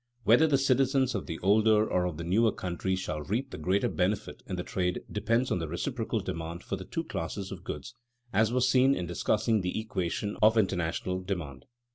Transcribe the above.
Whether the citizens of the older or of the newer country shall reap the greater benefit in the trade depends on the reciprocal demand for the two classes of goods, as was seen in discussing the equation of international demand.